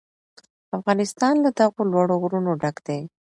افغانستان له دغو لوړو غرونو ډک دی.